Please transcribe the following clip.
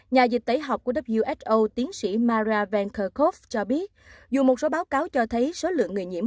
nhà dịch tễ học của who tiến sĩ mara venkakov cho biết dù một số báo cáo cho thấy số lượng người nhiễm